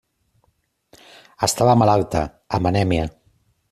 Estava malalta, amb anèmia.